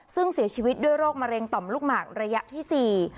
ซึ่งเสียชีวิตด้วยโรคมะเร็งต่อมลูกหมากระยะที่สี่